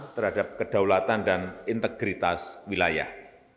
terhadap kedaulatan dan integritas wilayah